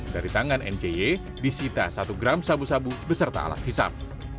dari tangan mj disita satu gram sabu sabu beserta alat hisap